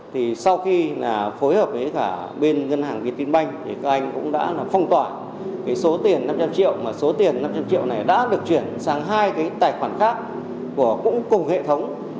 thì sau khi là phối hợp với cả bên ngân hàng việt tiên banh thì các anh cũng đã phong tỏa cái số tiền năm trăm linh triệu mà số tiền năm trăm linh triệu này đã được chuyển sang hai cái tài khoản khác cũng cùng hệ thống